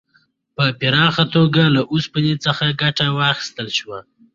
په پراخه توګه له اوسپنې څخه ګټه واخیستل شوه.